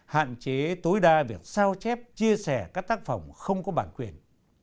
hạn chế tối đa việc sao chép chia sẻ các tác phẩm không có bản quyền